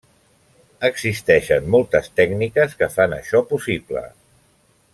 Existeixen moltes tècniques que fan això possible.